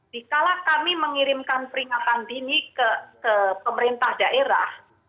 dikala kami mengirimkan peringatan dini ke pemerintah daerah